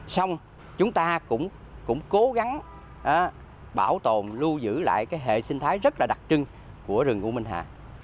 xong chúng ta cũng cố gắng bảo tồn lưu giữ lại hệ sinh thái rất là đặc trưng của rừng u minh hạ